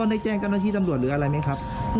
น่าจะเมานะหนูคิดนะ